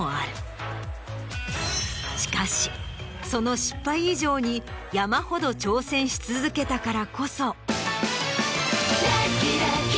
しかしその失敗以上に山ほど挑戦し続けたからこそ。